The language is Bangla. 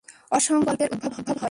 অসংখ্য বিকল্পের উদ্ভব হয়।